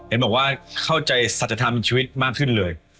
เห็นบอกว่าเข้าใจสัจธรรมชีวิตมากขึ้นเลย